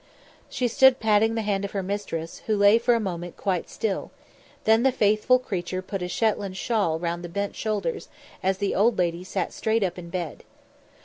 She stood patting the hand of her mistress, who lay for a moment quite still; then the faithful creature put a Shetland shawl round the bent shoulders as the old lady sat straight up in bed.